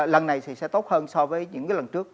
lần này thì sẽ tốt hơn so với những lần trước